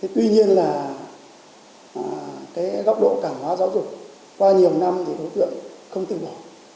tuy nhiên là góc độ cảm hóa giáo dục qua nhiều năm thì đối tượng không từ bỏ